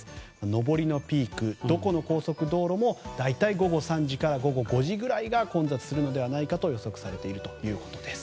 上りのピークどこの高速道路も大体、午後３時から午後５時ぐらいが混雑するのではないかと予測されているということです。